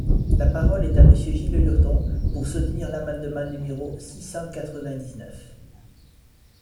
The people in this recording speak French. La parole est à Monsieur Gilles Lurton, pour soutenir l’amendement numéro six cent quatre-vingt-dix-neuf.